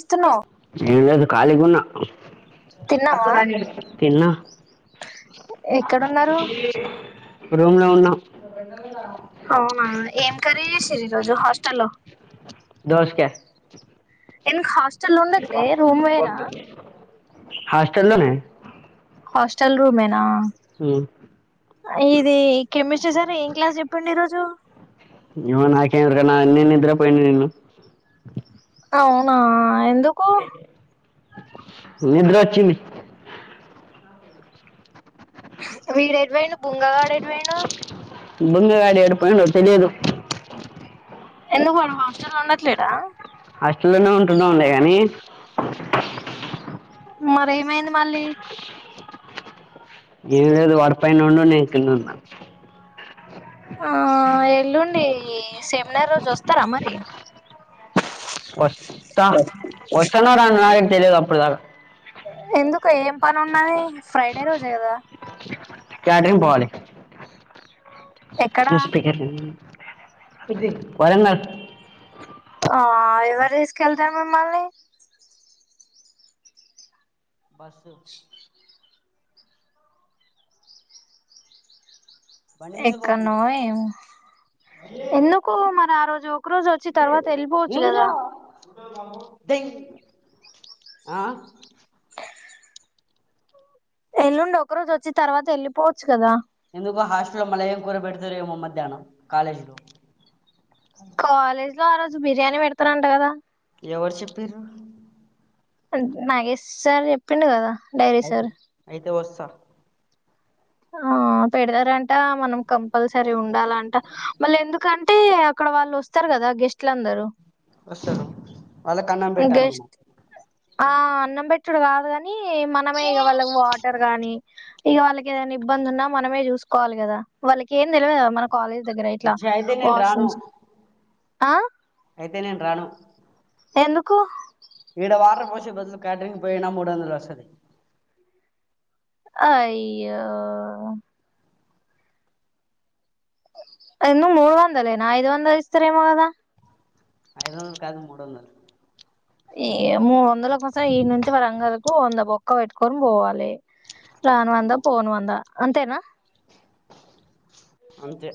ఇస్తున్నావ్ ఎం లేదు ఖాళీగున్నా ఆ తిన్నావా తిన్నా ఎక్కడున్నారు రూమ్ లో ఉన్నాం అవునా ఏం కర్రీ చేసిరూ ఈ రోజు హస్టల్ లో దోసకాయ ఎందుకు హస్ స్టల్ల్ ఉండట్లే రూమ్ వేరా హాస్టల్ లోనే హాస్టల్ రూమేనా ఇది కెమిస్ట్రీ సార్ ఏం క్లాస్ చెపిండు ఈరోజు ఏమో నాకేం ఎరుగనా నేన్‌ నిద్రప్పోయిండు నిన్ను అవ్నా ఎందుకు నిద్రాచ్చింది వీడ ఎటు పోయ్ను బుంగగాడు ఎటు పోయ్ను బుంగగాడి ఎడుపోయిండో తెలియదు ఎందుకు వాడు హాస్టల్ ఉండట్లేడా హాస్టల్లోనే ఉంటున్నాంలే గానీ మరి ఏమయింది మళ్ళీ ఏం లేదు వాడు పైన ఉన్డు నేను కింద ఉన్నా ఆ ఎల్లుండి సెమినార్ రోజు వస్తారా మరి ఒస్తా ఒసనో రానో నాకు తెలీదు అప్పుడుదాకా ఎందు ఏం పని ఉన్నని ఫ్రైడే రోజే కదా కేటరింగ్ పోవాలి ఎక్కడ [unintelligible] ఇది కోరంగ [unintelligible] ఆ ఎవరు తీసుకెళ్తారు మిమ్మల్ని బస్సు బండి మీద పోతున్నాం ఎక్కనో ఏమో ఎందుకు మరి ఆ రోజ్ రోజు వచ్చి తర్వాత వెళ్ళిపోవచ్చు ఏంద్రా కదా ఆ ఎల్లుండి ఒక రోజు వచ్చి తర్వాత వెళ్ళిపోవచ్చు కదా ఎందుకో హాస్టల్లో లో మళ్ళ ఏం కూర పెడుతారేమో మధ్యాహ్నం కాలేజీ లో కాలేజ్ లో ఆ రోజు బిర్యానీ పెడుతరాంటా కదా ఎవరు చెప్పారు నాగేష్ సార్ చెప్పిండు కదా డైరీ సార్ అయితే అయితే వస్ త్త ఆ పెడతారంట మనం కంపల్సరీ ఉండాలంట మళ్ళీ ఎందుకంటే అక్కడ వాళ్ళు వస్తారు కదా గెస్ట్లు అందరూ వస్తారు వాళ్ళకి అన్నం పెట్టాలి మనం గెస్ట్ ఆ అన్నం పెట్టుడు కాదు కాని మరి మనమే ఈగ వాళ్ళకి వాటర్ కానీ ఈగ వాళ్ళకి ఏదైనా ఇబ్బంది ఉన్న మనమే చూస చెప్పుకోవాలి కదా వాళ్ళకి ఏం తెలియదు కదా కాలేజ్ దగ్గర ఇట్లా ఇచ్చే అయితే నేను రాను వాష్రూమ్స్ ఆ అయితే నేను రాను ఎందుకు ఇడ వాటర్ పోసేబధులు క్యాటరిగ్ పోయిన మూడువందల వస్తాయి అయ్యో ఇందు మూడు వందలేనా ఐదువందులు ఇస్తారు ఏమో కదా ఐదు వందలు కాదు మూడు వందలు ఏమో మందుల కోసం ఇనుంచి వరంగల్ కి వంద బొక్క బెట్టుకొని పోవాలి రాన్ వంద పోన్ వంద అంతేనా అంతే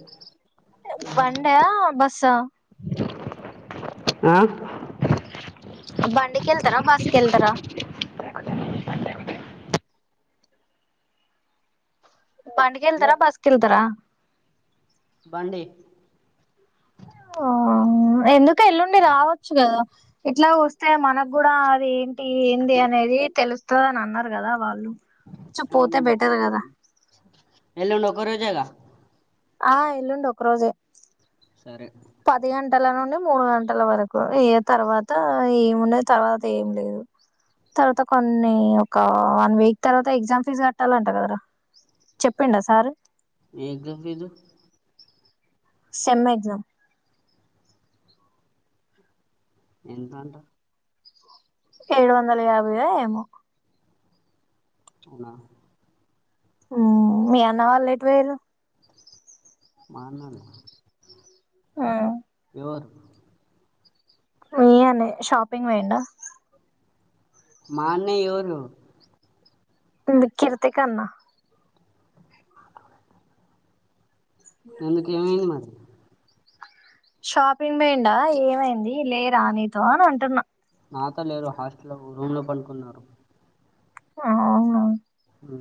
బండి హా బస్ హా ఆ బండికెళ్తర బస్కెల్తర హలో బండికెళ్తర బస్కెల్తర బండి ఎందుక్ అక్క ఎల్లుండి రావొచ్చు కదా ఇట్ల వస్తే మనకు కూడా అది ఏంది అనేది తెలుస్ తదని అన్నరు కదా వాళ్ళు కొంచెం పోతే బెటర్ కదా ఎలమక్ ఒరే జగా ఆ ఎల్లుండి ఒక రోజే సరే పది గంటల నుండి మూడు గంటల వరకు ఏ తర్వాత ఏమున్నది తర్వాత ఏమి లేదు తర్వాత కొన్ని ఒక వన్ వీక్ తర్వాత ఎగ్జామ్ ఫీజ్ కట్టాలంట కదరా చెప్పిండ సార్ ఏ ఎగ్జామ ఫీజు సెమ్ ఎక్సమ్ ఎంతంట ఏడు వందల యాభై ఓ ఏమో అవునా ఉమ్ మీ అన్న వాళ్ళు ఎటు ఒయిరు మ అన్న నా ఆ ఎవరు మీ అన్నయె షాపింగ్ పోయిండ మా అన్నయ ఎవరు నిను కిరితికన్నా టూల్ కు ఏమైంది మరి షాపింగ్ బయిండ ఏమైంది లే రానితో అని అంటున్నా నాతొ లేరు హాస్టల్ రూమ్లో పడుకున్నారు ఆవును ఆ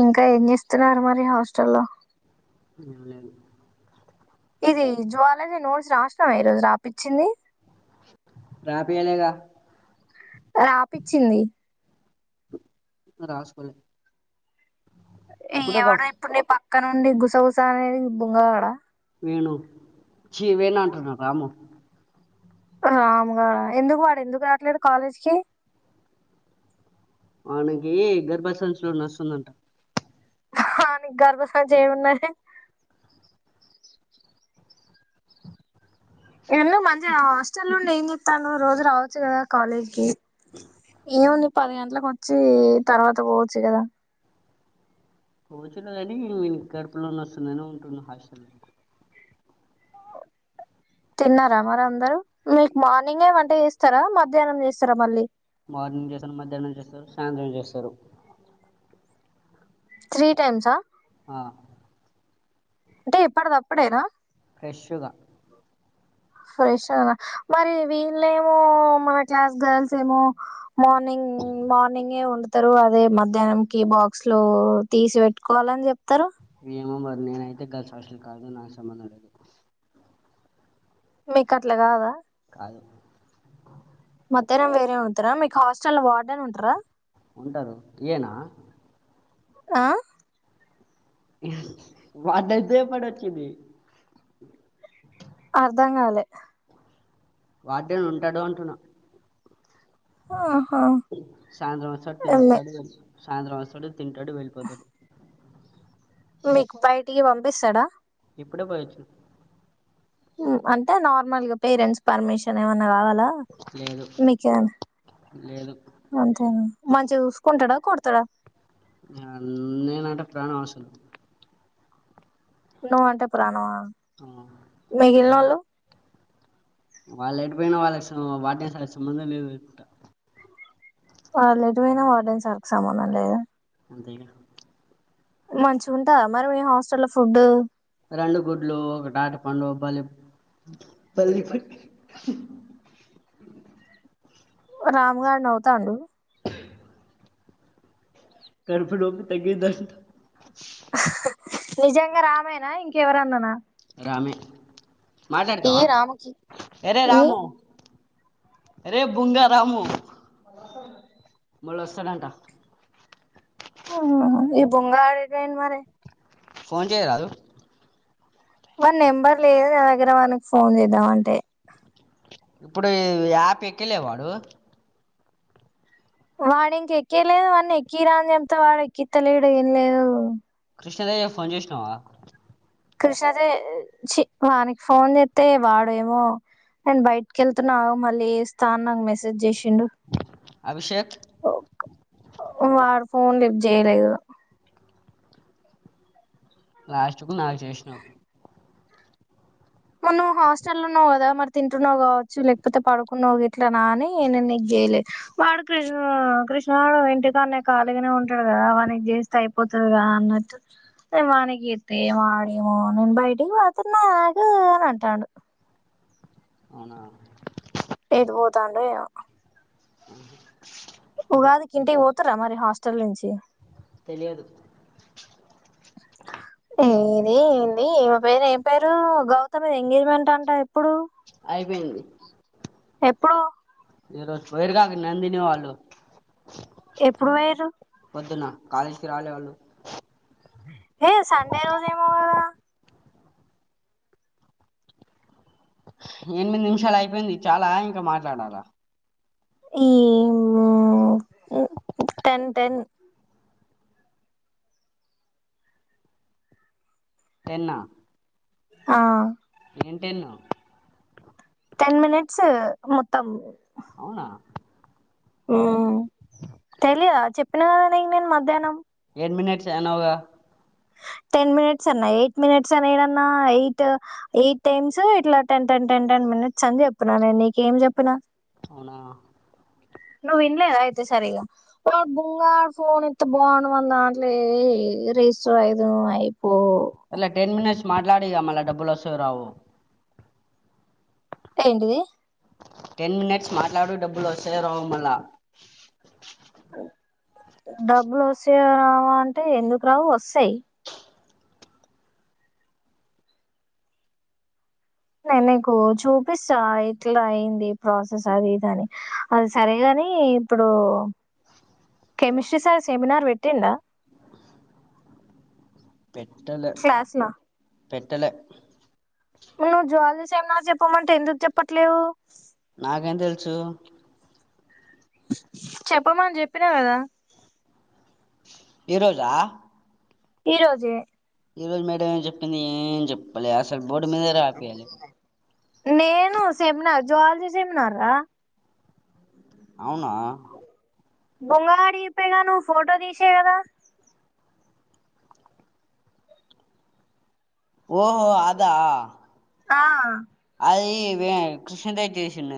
ఇంకా ఏం చేస్తున్నారు మరి హాస్టల్లో ఎం లేదు ఇది జ్వలజీ నోట్స్ రాసినావా ఈరోజు రాపిచ్చింది రాపియలేగా రాపిచ్చింది రాసుకోలే ఈ ఫోటో ఎవరె ఇప్పుడు నీ పక్ అక్క నుండి గుసగుస అనేది బుంగా గాడ వేణు చీ వేణు అంటున్న రాము రాము గాడా ఎందుకు వాడు ఎందుకు రాట్లేదు కాలేజ్కి వాని కి గర్భసంచిలో నొస్తుందంట నీక్ గర్భసంచిఏమున్నది ఎన్నో మంచి ఆ హాస్టల్ల్లో నుండి ఏం తను రోజు రావచ్చు కదా కాలేజ్ కి ఏముంది పది గంట్లక్ వచ్చి తర్వాత పోవచ్చు కదా కూచుండేదని నేను కడుపు లో నొస్తుందని ఉంటున్నా హాస్టల్ తిన్నారా మరి అందరు మీకు మార్నింగే వంట చేస్తారా మధ్యాహ్నం చేస్తారా మళ్ళీ మార్నింగ్ చేస్తారు మధ్యాహ్నం చేస్తారు సాయంత్రం చేస్తారు త్రీ టైమ్సా ఆ అంటే ఎప్పడిది అప్పుడేనా ఫ్రష్ గా ఫ్రెష్ మరి వీళ్లేమో మన క్లాస్ గర్ల్స్ ఏమో మార్నింగ్ మార్నింగే వండుతారు అదే మధ్యాహ్నం కి బాక్స్ లోతీసి పెట్టుకోవాలని చెప్తరు ఏమో మరి నేనైతే గల్స్ హస్టల్ కాదు నాకు సంబందం లేదు మీకు అట్ల గాదా కాదు మద్యానం వేర్ అవుతరా మీక్ హాస్టల్ వా ఉంటారు ఈయనా ఆ వాంటద్దే పడొచ్చింది అర్ధంగాలె వార్డేన్ ఉంటడూ అంటున్న ఆహా సాయంత్రం వచ్చేసర్క్ టీవీ చూస్తూ సాయంత్రం తింటడు వెళ్ళిపోతాడు మీక్ బయటికి పంపిస్తడా ఇప్పుడే పోయి ఒచ్చిన అంటే నార్మల్గా పేరెంట్స్ పర్మిషన్ ఏమన్నా కాగాల ల లేదు మీకే లేదు అంతేన మంచిగా చూసుకుంటడా కొడ్ నేన్ అంటే ప్రాణం అసలు [unintelligible] నువ్వంటే ప్రాణమా మిగిలినోళ్లు వాళ్ళు ఎటుపోయినా వాళ్ళకి వార్డెన్ కు సంబధం లేదు వాళ్ళు ఎటువైనా వార్డెన్ సార్ కి సమానం లేదు లేదుగా మంచిగుంటదా మీ హాస్టల్లఫుడ్ రెండు గుడ్లు ఒకటి అరటిపండు పల్లి పల్లి పట్టి రాము గారు నవ్వుతాండు కడుపు నొప్పి తగ్గిందా నిజంగా రామేనా ఇంకెవరన్ననా రామే ఈ మాట్లాడతావా రాముకి ఎరే ఈ రాము అరే బుంగారాము మళ్ళు వస్తాడంట ఈ బుంగ రాజు ఎటు పోయిండు మరి ఫోన్ చేయరాదు వాని నెంబర్ లేదు నా దగ్గర మనకి ఫోన్ చేద్దాం అంటే ఇప్పుడు యాప్ ఎక్కలే వాడు వాడు ఇంక ఎక్క్కలేదు వాని ఎక్కి రా అని చెప్తే వాడు ఎక్కితలిడు ఏం లేదు కృష్ణదేయ్య ఫోన్ చేసినావా కృష్ణాజీ వానికి ఫోన్ చేతే వాడేమో నేను బయటికి వెళ్తున్నా మళ్ళీ వస్తాన్నాకు మెసేజ్ చేసి డు అభిషేక్ వాడు ఫోన్ లిప్ చేయలేదు లాస్ట్ కు నాకు చేసినావు మన్ను హాస్టల్ ఉన్నావు కదా మరి తింటున్నావు కావచ్చు లేకపోతే పడుకున్నావు ఇట్ల నా అని నేన్నకు చేయలేదు వాడు కృష్ణ కృష్ణవాడు ఇంటికా నా కాలీగానే ఉంటాడు కదా వా నీకు చేస్తే అయిపోతుదిగా అన్నట్టు వానకి ఇస్త ఏ వాడేమో నేను బయటికి పోతున్నా ఊ అంటాడు అవునా ఎటు పోతాండో ఏమో ఉఓ ఉగాది కి ఇంటికి పోతున్నారా మరి హాస్టల్ నుంచి తెలియదు ఈ ఈ పేరు ఏం పేరు గౌతమి ఎంగేజ్మెంట్ అంట ఎప్పుడు అయిపోయింది ఎప్పుడు ఈ రోజు పోయిరు కా నందిని వాళ్ళు ఎప్పుడు పోయేరు పొద్దున్న కాలేజీకిి రాలే వాళ్ళు ఏ సండే రోజు ఏమో కదా ఎనిమిది నిమిషాలు అయిపోయింది చాలా ఇంకా మాట్లాడాలా ఈ టెన్ టెన్ టెన్ ఆ ఆ ఏంటేన్న టెన్ మినిట్స్ మొత్తం అవునా తెలిదా చెప్పిన కదనే నేను మధ్యాహ్నం టా మిట్స్ అనవుగా టెన్ మినిట్స్ అన్నా ఎయిట్ మినిట్స్ అని ఏదన్నా ఎయిట్ ఎయిట్ టైమ్స్ ఇట్లా టె టెన్ టెన్ మినిట్స్ అని చెప్తున్నా నేను నీకేం చెప్పిన అవున నువ్వు వినలేద అయితే సరిగా వా బుంగా ఫోన్ ఇంత బాగుండు దాంట్లే రిజిస్టర్ అయిదు అయిపో అల టెన్ మినిట్స్ మాట్లాడిగా మల్ళ డబ్బులు వస్తావో రావో ఏంటిది టెన్ మినిట్స్ మాట్లాడు డబ్బులు వస్తేయో రావుమలా డబ్బులు వస్తాయా రావో అంటే ఎందుకు రావు వస్తాయి నేను నీకు చూపిస్తా ఇట్లా అయింది ప్రాసెస్ అది ఇదని అది సరేగాని ఇప్పుడు కెమిస్ట్రీ సారి సెమినార్ పెట్టిడా పెట్టలే పెట్టలే నువ్వు జ్వాలీ సెమినార్ చెప్పమంటే ఎందుకు చెప్పట్లేవు నాకేం తెలుసు చెప్పమని చెప్పినా కదా ఈ రోజా ఈ రోజే ఈ రోజు మేడమ్ ఏ చెప్పింది ఏం చెప్ లే అసలు బోర్డ్ మీదా రాపియాలే నేను సెమినార్ జాలజీ సెమినారా అవునా బొంగవాడి అప్పగా నువ్వు ఫోటో తీసాయి కదా ఓహో అదా ఆ అది వే కృష్ణద చేశిండు